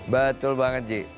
betul banget ji